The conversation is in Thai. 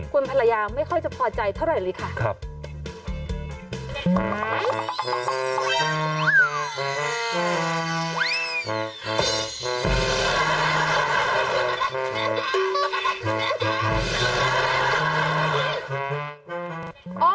คุณภรรยาไม่ค่อยจะพอใจเท่าไหร่เลยค่ะ